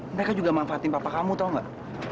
mereka juga manfaatin papa kamu tahu nggak